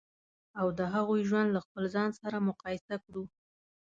او د هغوی ژوند له خپل ځان سره مقایسه کړو.